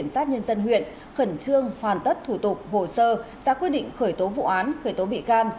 xác nhân dân huyện khẩn trương hoàn tất thủ tục hồ sơ ra quyết định khởi tố vụ án khởi tố bị can